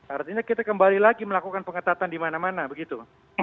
artinya kita kembali lagi melakukan pengetatan di mana mana begitu